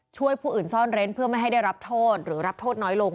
ผู้อื่นซ่อนเร้นเพื่อไม่ให้ได้รับโทษหรือรับโทษน้อยลง